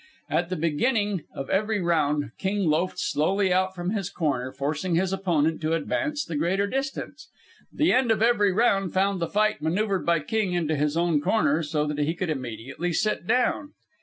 At the beginning of every round King loafed slowly out from his corner, forcing his opponent to advance the greater distance. The end of every round found the fight manoeuvred by King into his own corner so that he could immediately sit down.